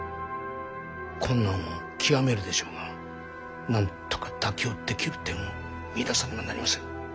困難を極めるでしょうがなんとか妥協できる点を見いださねばなりません。